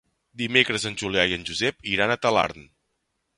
Dimecres en Julià i en Josep iran a Talarn.